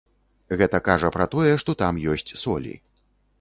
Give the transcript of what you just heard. Гэта кажа пра тое, што там ёсць солі.